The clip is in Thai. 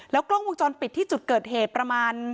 กล้องวงจรปิดที่จุดเกิดเหตุประมาณ